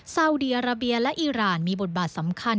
สาวดีอาราเบียและอีรานมีบทบาทสำคัญ